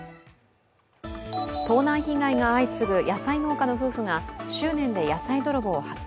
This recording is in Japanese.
盗難被害が相次ぐ野菜農家の夫婦が執念で野菜泥棒を発見。